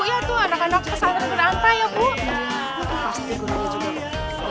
iya itu pasti gunanya juga bagus ya bu ya